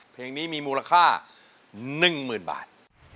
เพลงนี้มีมูลค่า๑๐๐๐บาท